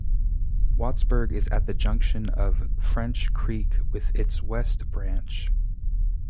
Wattsburg is at the junction of French Creek with its West Branch.